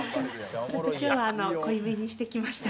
ちょっと今日は濃いめにしてきました。